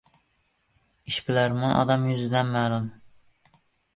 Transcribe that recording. • Ishbilarmon odam yuzidan ma’lum.